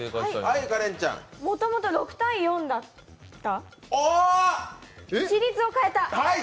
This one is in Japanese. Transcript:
もともと６対４だった？